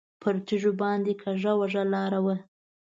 پر تیږو باندې کږه وږه لاره وه.